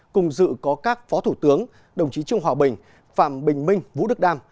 cùng dự có các phó thủ tướng đồng chí trương hòa bình phạm bình minh vũ đức đam